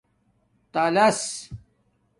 تلس